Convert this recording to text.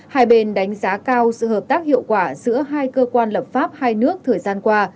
hai bên đánh giá cao sự hợp tác hiệu quả giữa hai cơ quan lập pháp hai nước thời gian qua